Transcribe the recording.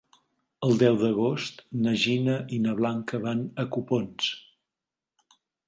El deu d'agost na Gina i na Blanca van a Copons.